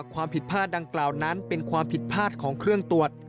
ความผิดพลาดดังกล่าวนั้นเป็นความผิดพลาดของเครื่องตรวจ